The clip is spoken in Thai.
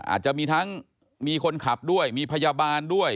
อาจจะมีทั้งมีคนขับด้วยมีพยาบาลด้วย